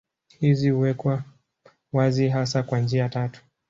Hizi huwekwa wazi hasa kwa njia tatu.